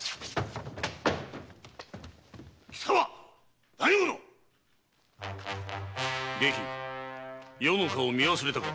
貴様何者⁉外記余の顔を見忘れたか。